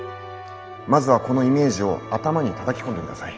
まずはこのイメージを頭にたたき込んでください。